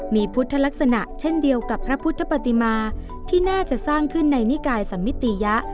มีพุทธลักษณะเช่นเดียวกับพระพุทธปฏิมาที่น่าจะสร้างขึ้นในนิกายสัมมิติยะ